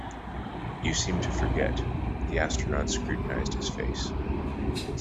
“You seem to forget.” The aeronaut scrutinised his face.